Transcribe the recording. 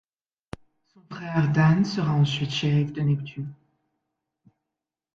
Son frère Dan sera ensuite Shérif de Neptune.